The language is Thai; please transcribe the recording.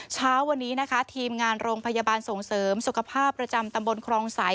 เช้าวันนี้นะคะทีมงานโรงพยาบาลส่งเสริมสุขภาพประจำตำบลครองสาย